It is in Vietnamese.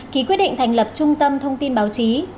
ký quyết định thành lập trung tâm thông tin báo chí